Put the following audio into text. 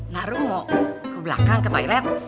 nah ruh mau ke belakang ke toilet